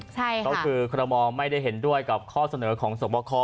ใช่ค่ะเพราะคือคอนโดมองค์ไม่ได้เห็นด้วยกับข้อเสนอของสมข้อ